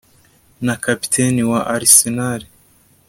na kapiteni wa Arsenal